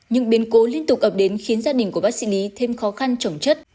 nhưng biến cố liên tục ập đến khiến gia đình của bác sĩ lý thêm khó khăn trổng chất